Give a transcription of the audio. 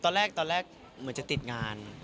ตอนแรกเหมือนจะติดงาน